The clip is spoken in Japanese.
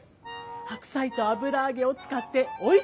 白菜と油揚げを使っておいしく作ります。